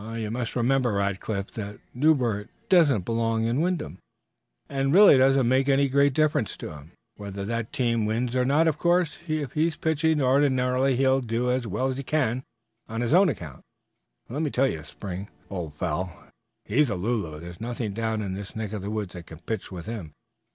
"You must remember," reminded Rackliff, "that Newbert doesn't belong in Wyndham, and it really doesn't make any great difference to him whether that team wins or not. Of course, if he's pitching, ordinarily he'll do as well as he can on his own account. And let me tell you, Spring, old fel, he's a lulu; there's nothing down in this neck of the woods that can pitch with him.